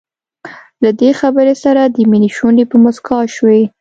له دې خبرې سره د مينې شونډې په مسکا شوې.